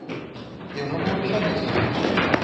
Eu não vou deixar isso.